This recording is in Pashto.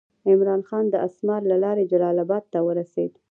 عمرا خان د اسمار له لارې جلال آباد ته ورسېد.